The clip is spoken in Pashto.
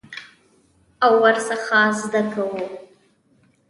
او ورڅخه زده کوو.